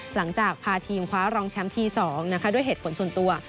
หลังจากพาทีมคว้ารองแชมป์ที๒ด้วยเหตุผลส่วนตัว